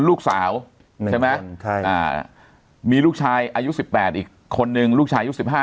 ลูกสาวใช่ไหมใช่อ่ามีลูกชายอายุสิบแปดอีกคนนึงลูกชายอายุสิบห้า